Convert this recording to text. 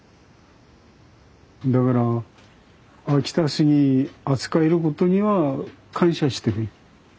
だから秋田杉扱えることには感謝してる。